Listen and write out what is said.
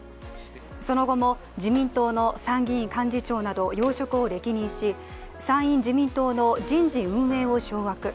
その後も、自民党の参議院幹事長など要職を歴任し参院自民党の人事・運営を掌握。